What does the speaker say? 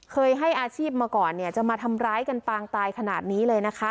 ให้อาชีพมาก่อนเนี่ยจะมาทำร้ายกันปางตายขนาดนี้เลยนะคะ